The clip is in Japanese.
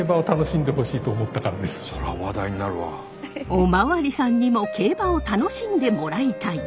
お巡りさんにも競馬を楽しんでもらいたい！